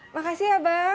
makasih ya bang